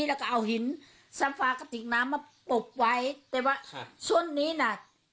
แล้วก็เอาหินซาฟากระติกน้ำมาปรบไว้แต่ว่าส่วนนี้น่ะ